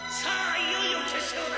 いよいよ決勝だ！